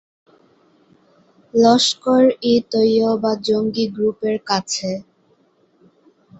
লস্কর-ই-তৈয়বা জঙ্গি গ্রুপের কাছে।